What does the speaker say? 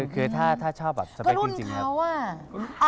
คือถ้าชอบแบบสเปคจริงครับ